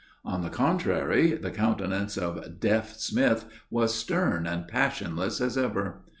On the contrary, the countenance of Deaf Smith was stern and passionless as ever.